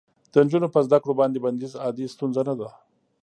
د نجونو په زده کړو باندې بندیز عادي ستونزه نه ده.